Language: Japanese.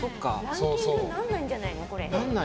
ランキングにならないんじゃない？